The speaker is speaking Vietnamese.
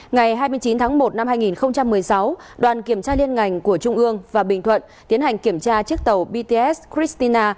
ngày hai mươi chín tháng một năm hai nghìn một mươi sáu đoàn kiểm tra liên ngành của trung ương và bình thuận tiến hành kiểm tra chiếc tàu bts cristina